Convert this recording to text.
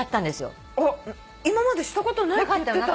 あっ今までしたことないって言ってたのに。